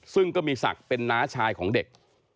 ซึ่งก็มีศักดิ์เป็นน้าชายของเด็ก